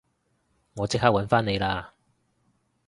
我即刻搵返你啦